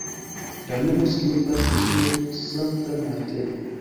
La nomo signifas "insulo Sankta Marteno".